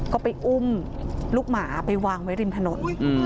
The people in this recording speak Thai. ก็ไปอุ้มลูกหมาไปวางไว้ริมถนน